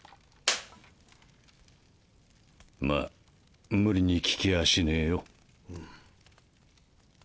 まぁ無理に聞きやしねえよ。